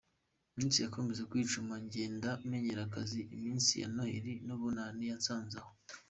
Iminsi yakomeje kwicuma ngenda menyera akazi, iminsi ya noheri n’ubunani yansanze aho.